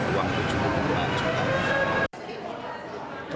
kami juga menyiapkan bonus untuk mereka